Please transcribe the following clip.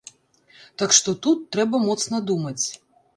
Так што тут трэба моцна думаць.